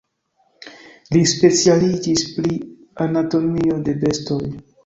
Li specialiĝis pri anatomio de bestoj.